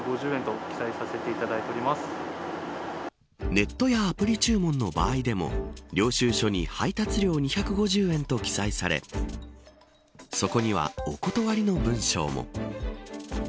ネットやアプリ注文の場合でも領収書に配達料２５０円と記載されそこには、お断りの文章も。